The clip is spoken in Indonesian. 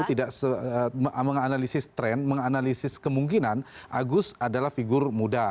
tidak menganalisis tren menganalisis kemungkinan agus adalah figur muda